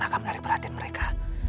akan menarik perhatian mereka